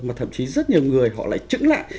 mà thậm chí rất nhiều người họ lại trứng lại